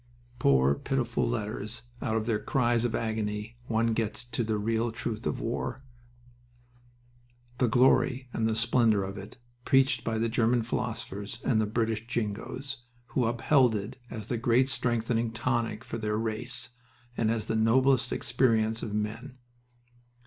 Poor, pitiful letters, out of their cries of agony one gets to the real truth of war the "glory" and the "splendor" of it preached by the German philosophers and British Jingoes, who upheld it as the great strengthening tonic for their race, and as the noblest experience of men.